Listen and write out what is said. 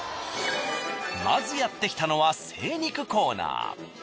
まずやってきたのは精肉コーナー。